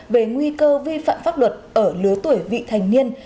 về nguy cơ vi phạm pháp luật ở lứa tuổi vị thành niên